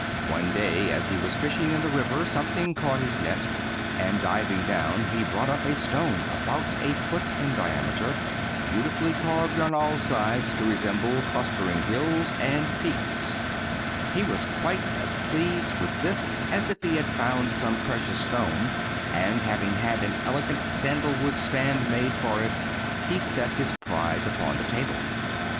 One day as he was fishing in the river something caught his net, and diving down he brought up a stone about a foot in diameter, beautifully carved on all sides to resemble clustering hills and peaks. ^ In which Peking is situated. 40 The Wonderful Stone He was quite as pleased with this as if he had foutiii some precious stone; and having had an elegant sandal wood stand made for it, he set his prize upon the table.